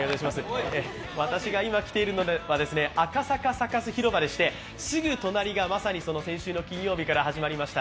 私が今、来ているのは赤坂サカス広場でしてすぐ隣がまさに先週の金曜日から始まりました